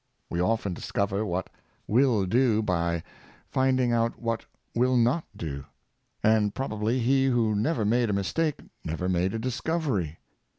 We often discover what ivill do by finding out what will not do ; and probably he who never* made a mistake never made a discovery.